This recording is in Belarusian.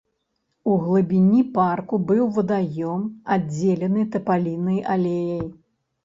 У глыбіні парку быў вадаём, аддзелены тапалінай алеяй.